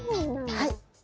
はい。